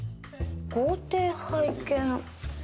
豪邸拝見。